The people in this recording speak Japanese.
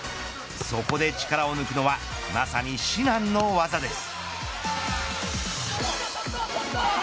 そこで力を抜くのはまさに至難の技です。